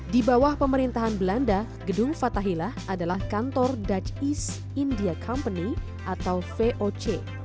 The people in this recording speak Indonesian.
di bawah pemerintahan belanda gedung fathahilah adalah kantor dutch east india company atau voc